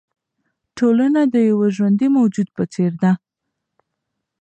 ټولنه د یوه ژوندي موجود په څېر ده.